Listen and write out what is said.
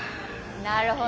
なるほど。